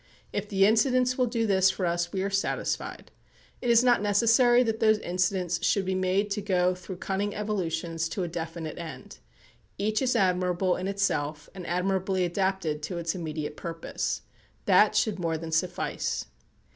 If the incidents will do this for us we are satisfied. It is not necessary that those incidents should be made to go through cunning evolutions to a definite end. Each is admirable in itself, and admirably adapted to its immediate purpose. That should more than suffice.